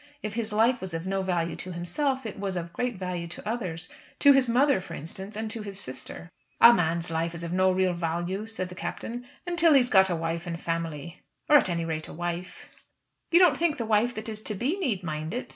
If his life was of no value to himself, it was of great value to others; to his mother, for instance, and to his sister. "A man's life is of no real value," said the Captain, "until he has got a wife and family or at any rate, a wife." "You don't think the wife that is to be need mind it?"